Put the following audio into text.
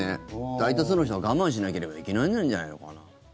大多数の人が我慢しなければいけないんじゃないのかな。